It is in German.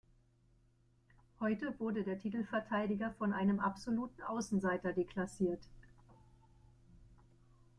Heute wurde der Titelverteidiger von einem absoluten Außenseiter deklassiert.